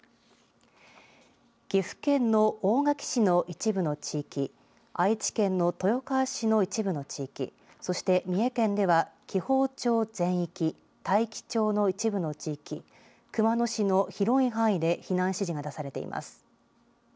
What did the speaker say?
岐阜県の大垣市の一部の地域、愛知県の豊川市の一部の地域、そして三重県では紀宝町全域、大紀町の一部の地域、熊野市の広い範囲で避難指示が出されています。